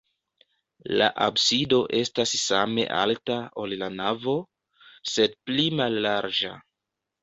La absido estas same alta, ol la navo, sed pli mallarĝa.